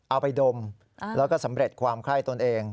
เอาไปดมแล้วก็สำเร็จความไข้ตนเอง